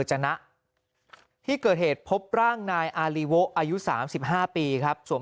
จนะที่เกิดเหตุพบร่างนายอารีโวะอายุ๓๕ปีครับสวม